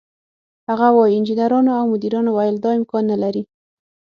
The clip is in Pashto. هغه وايي: "انجنیرانو او مدیرانو ویل دا امکان نه لري،